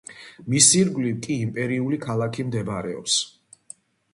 მის ირგვლივ კი იმპერიული ქალაქი მდებარეობს.